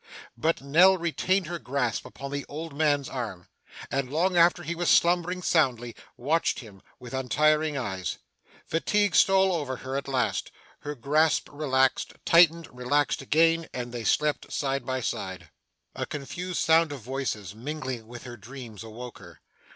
But Nell retained her grasp upon the old man's arm, and long after he was slumbering soundly, watched him with untiring eyes. Fatigue stole over her at last; her grasp relaxed, tightened, relaxed again, and they slept side by side. A confused sound of voices, mingling with her dreams, awoke her.